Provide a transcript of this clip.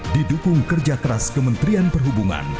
didukung kerja keras kementerian perhubungan